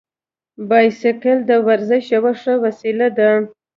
بایسکل د ورزش یوه ښه وسیله ده.